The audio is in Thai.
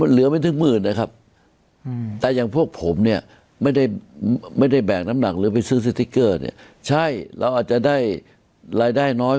เหลือไม่ถึงหมื่นนะครับแต่อย่างพวกผมเนี่ย